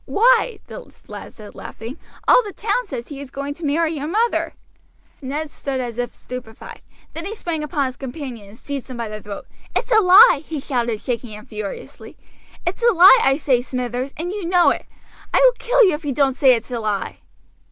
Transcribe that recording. "Why," the lad said laughing, "all the town says he is going to marry your mother." Ned stood as if stupefied. Then he sprang upon his companion and seized him by the throat. "It's a lie," he shouted, shaking him furiously. "It's a lie I say, Smithers, and you know it. I will kill you if you don't say it's a lie."